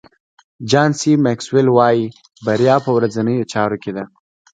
جان سي ماکسویل وایي بریا په ورځنیو چارو کې ده.